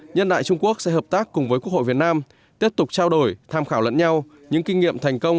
nhân đại trung quốc sẽ hợp tác cùng với quốc hội việt nam tiếp tục trao đổi tham khảo lẫn nhau những kinh nghiệm thành công